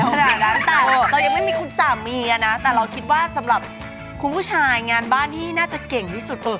ขนาดนั้นแต่เรายังไม่มีคุณสามีนะแต่เราคิดว่าสำหรับคุณผู้ชายงานบ้านที่น่าจะเก่งที่สุด